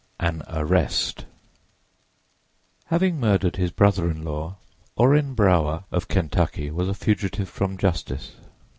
AN ARREST HAVING murdered his brother in law, Orrin Brower of Kentucky was a fugitive from justice.